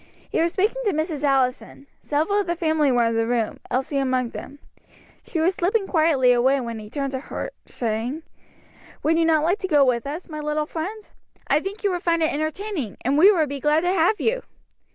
He was speaking to Mrs. Allison. Several of the family were in the room, Elsie among them. She was slipping quietly away, when he turned toward her, saying: "Would you not like to go with us, my little friend? I think you would find it entertaining, and we would be glad to have you."